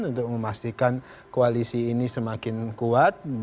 untuk memastikan koalisi ini semakin kuat